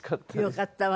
よかったわね。